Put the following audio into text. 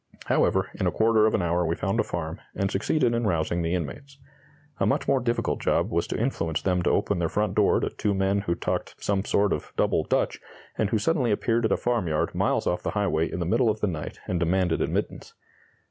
However, in a quarter of an hour we found a farm, and succeeded in rousing the inmates. A much more difficult job was to influence them to open their front door to two men who talked some sort of double Dutch, and who suddenly appeared at a farmyard miles off the highway in the middle of the night and demanded admittance.